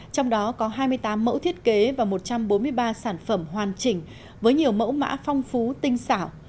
trong đó có hai mươi tám mẫu thiết kế và một trăm bốn mươi ba sản phẩm hoàn chỉnh với nhiều mẫu mã phong phú tinh xảo